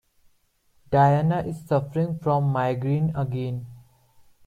Diana is suffering from migraine again.